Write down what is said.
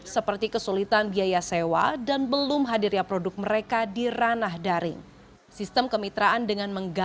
seperti kesulitan biaya sewa dan belum hadir ya produk mereka di ranah daring sistem kemitraan